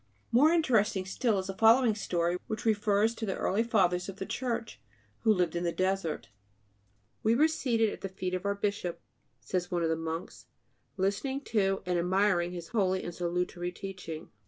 More interesting still is the following story which refers to the early Fathers of the Church, who lived in the desert. "We were seated at the feet of our Bishop," says one of the monks, "listening to and admiring his holy and salutary teaching.